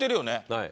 はい。